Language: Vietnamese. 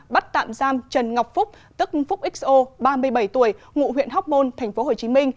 bắt tạm giam trần ngọc phúc tức phúc xo ba mươi bảy tuổi ngụ huyện hóc môn tp hcm